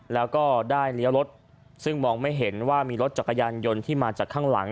แล้วก็ได้เลี้ยวรถซึ่งมองไม่เห็นว่ามีรถจักรยานยนต์ที่มาจากข้างหลัง